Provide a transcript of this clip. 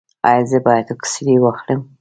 ایا زه باید اکسرې واخلم؟